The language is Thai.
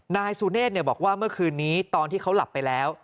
นายสุเนธบอกว่าเมื่อคืนนี้ตอนที่เขาหลับไปแล้ว